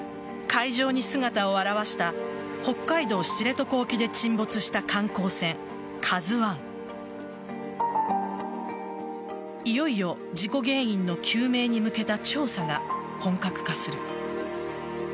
海上に姿を現した北海道知床沖で沈没した観光船「ＫＡＺＵ１」いよいよ事故原因の究明に向けた調査が本格化する。